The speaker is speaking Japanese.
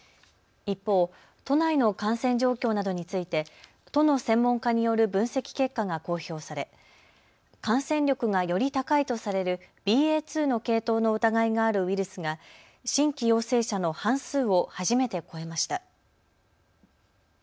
一方、都内の感染状況などについて都の専門家による分析結果が公表され感染力がより高いとされるＢＡ．２の系統の疑いがあるウイルスが新規陽性者の半数を初めて超えました。